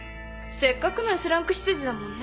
せっかくの Ｓ ランク執事だもんね